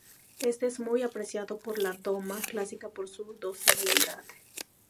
Este es muy apreciado para la doma clásica por su docilidad.